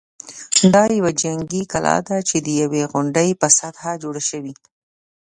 دا یوه جنګي کلا ده چې د یوې غونډۍ په سطحه جوړه شوې.